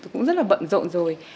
cũng rất là bận rộn rồi